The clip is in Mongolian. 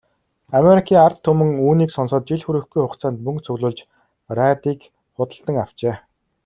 Америкийн ард түмэн үүнийг сонсоод жил хүрэхгүй хугацаанд мөнгө цуглуулж, радийг худалдан авчээ.